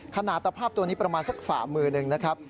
ตะภาพตัวนี้ประมาณสักฝ่ามือหนึ่งนะครับ